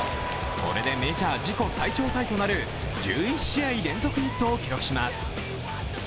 これでメジャー自己最長タイとなる１１試合連続ヒットを記録します。